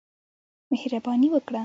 مهرباني وکړه.